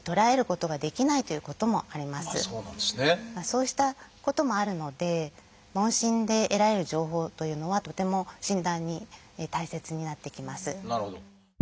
そうしたこともあるので問診で得られる情報というのはとても診断に大切になってきます。